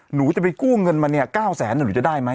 หนูจะไปกู้เงินมาเนี่ย๙แสนหนูจะได้ไหม